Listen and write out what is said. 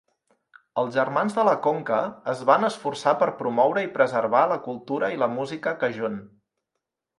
Els germans de la conca es van esforçar per promoure i preservar la cultura i la música Cajun.